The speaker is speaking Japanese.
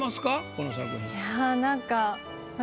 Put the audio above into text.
この作品。